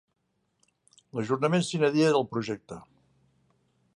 L'ajornament 'sine die' del projecte.